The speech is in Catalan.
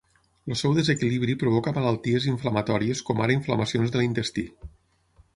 El seu desequilibri provoca malalties inflamatòries com ara inflamacions de l'intestí.